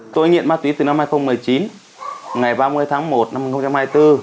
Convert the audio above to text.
tôi nghiện ma túy từ năm hai nghìn một mươi chín ngày ba mươi tháng một năm hai nghìn hai mươi bốn